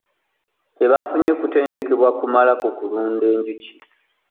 Tebafunye kutendekebwa kumala ku kulunda enjuki.